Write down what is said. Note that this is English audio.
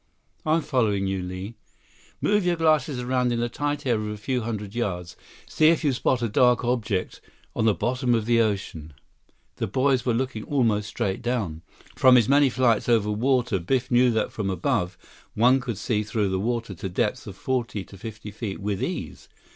"I'm following you, Li." "Move your glasses around in a tight area of a few hundred yards. See if you spot a dark object on the bottom of the ocean." The boys were looking almost straight down. From his many flights over water, Biff knew that from above, one could see through the water to depths of forty to fifty feet with ease.